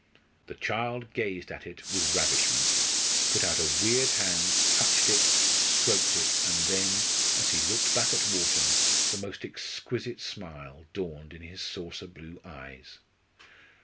The child gazed at it with ravishment, put out a weird hand, touched it, stroked it, and then, as he looked back at Wharton, the most exquisite smile dawned in his saucer blue eyes.